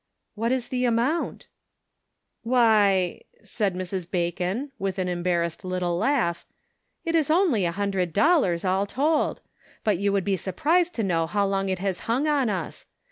" What is the amount ?" "Why," said Mrs. Bacon, with an embar rassed little laugh, " it is only a hundred dollars, all told ! but you would be surprised to know how long it has hung on us.